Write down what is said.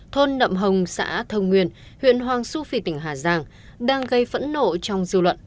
thôn nậm hồng xã thông nguyên huyện hoàng su phi tỉnh hà giang đang gây phẫn nộ trong dư luận